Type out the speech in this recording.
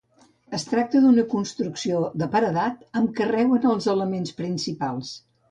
Es tracta d'una construcció de paredat amb carreu en els elements principals.